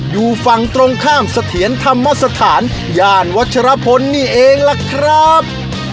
อยู่ฝั่งตรงข้ามเสถียรธรรมสถานย่านวัชรพลนี่เองล่ะครับ